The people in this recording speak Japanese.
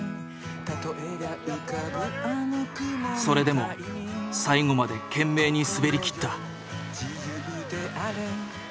それでも最後まで懸命に滑りきった。